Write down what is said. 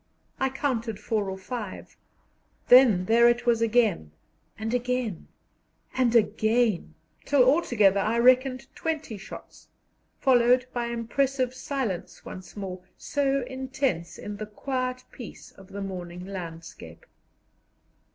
I counted four or five; then there it was again and again and again, till altogether I reckoned twenty shots, followed by impressive silence once more, so intense in the quiet peace of the morning landscape.